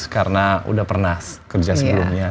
karena udah pernah kerja sebelumnya